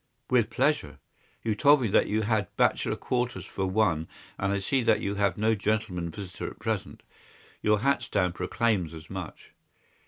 "With pleasure." "You told me that you had bachelor quarters for one, and I see that you have no gentleman visitor at present. Your hat stand proclaims as much."